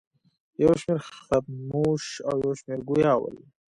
یو شمېر خموش او یو شمېر ګویا ول.